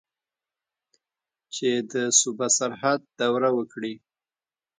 چې د صوبه سرحد دوره وکړي.